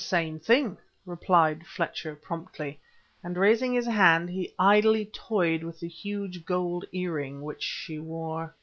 "Same thing," replied Fletcher promptly; and raising his hand, he idly toyed with a huge gold ear ring which she wore.